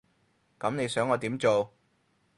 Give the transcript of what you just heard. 噉你想我點做？